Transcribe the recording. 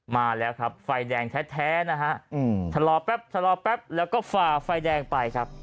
มาแล้วครับไฟแดงแท้นะฮะชะลอแป๊บชะลอแป๊บแล้วก็ฝ่าไฟแดงไปครับ